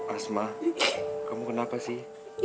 asma kamu kenapa sih